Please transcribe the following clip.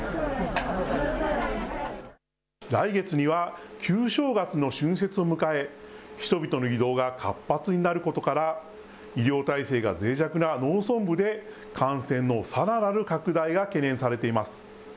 来月には旧正月の春節を迎え、人々の移動が活発になることから、医療体制がぜい弱な農村部で、感染のさらなる拡大が懸念されています。